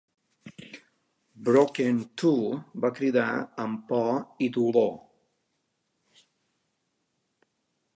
Broken-Tooth va cridar amb por i dolor.